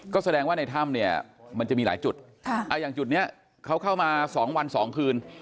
ก็แสดงว่าในถ้ำเนี่ยมันจะมีหลายจุดอย่างจุดนี้เขาเข้ามา๒วัน๒คืน